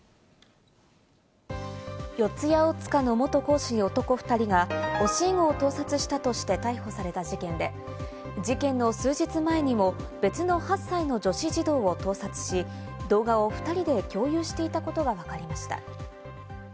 四谷大塚の元講師の男２人が教え子を盗撮したとして逮捕された事件で、事件の数日前にも別の８歳の女子児童を盗撮し、動画を２人で共有していたことがわかりました。